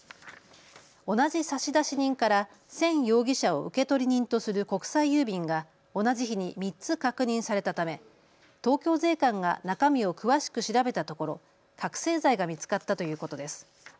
同じ差出人からせん容疑者を受取人とする国際郵便が同じ日に３つ確認されたため東京税関が中身を詳しく調べたところ覚醒剤が見つかったということです。